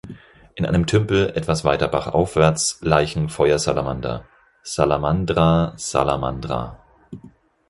In einem Tümpel etwas weiter bachaufwärts laichen Feuersalamander ("Salamandra salamandra").